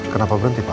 kenapa berhenti pak